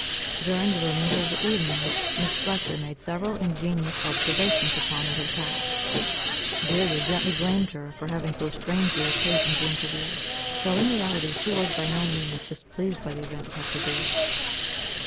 During the remainder of the evening Miss Fletcher made several ingenious observations upon what had passed. Delia gently blamed her for having so strangely occasioned the interview, though in reality she was by no means displeased by the event it had produced.